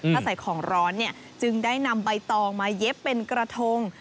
ถ้าใส่ของร้อนจึงได้นำใบตองมาเย็บเป็นกระทง